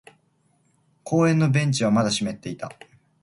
公園のベンチはまだ少し湿っていた。